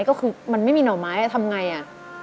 ก็คือมันไม่มีหน่อไม้ทำไงอ่ะ